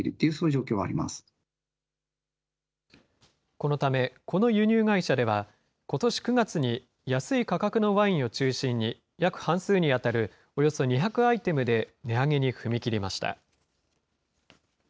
このため、この輸入会社では、ことし９月に安い価格のワインを中心に、約半数に当たるおよそ２００アイテムで値上げに踏み切りました。